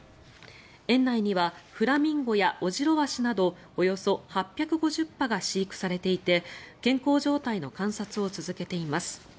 園内にはフラミンゴやオジロワシなどおよそ８５０羽が飼育されていて健康状態の観察を続けています。